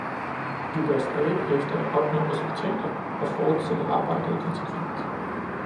Vi bør stræbe efter at opnå resultater og fortsætte arbejdet konsekvent!